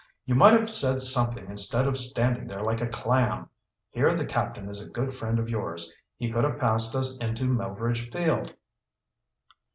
"You might have said something instead of standing there like a clam! Here the Captain is a good friend of yours. He could have passed us into Melveredge Field."